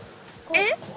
えっ？